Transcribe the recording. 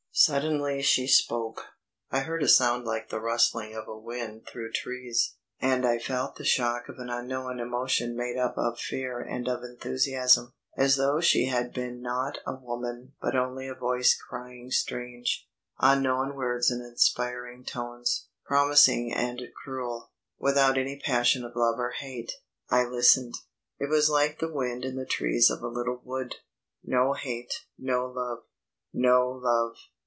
Suddenly she spoke. I heard a sound like the rustling of a wind through trees, and I felt the shock of an unknown emotion made up of fear and of enthusiasm, as though she had been not a woman but only a voice crying strange, unknown words in inspiring tones, promising and cruel, without any passion of love or hate. I listened. It was like the wind in the trees of a little wood. No hate ... no love. No love.